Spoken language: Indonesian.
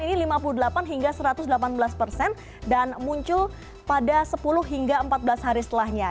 ini lima puluh delapan hingga satu ratus delapan belas persen dan muncul pada sepuluh hingga empat belas hari setelahnya